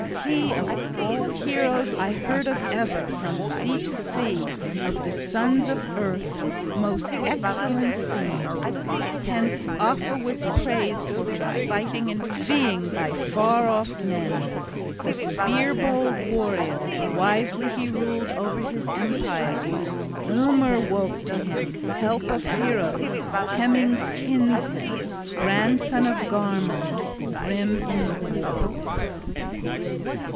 He, of all heroes I heard of ever from sea to sea, of the sons of earth, most excellent seemed. Hence Offa was praised for his fighting and feeing by far off men, the spear bold warrior; wisely he ruled over his empire. Eomer woke to him, help of heroes, Hemming's kinsman, Grandson of Garmund, grim in war.